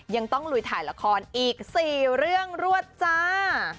ยังต้องลุยถ่ายละครอีก๔เรื่องรวดจ้า